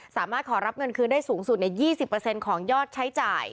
สามารถขอรับเงินคืนได้สูงสุดใน๒๐ของยอดใช้จ่าย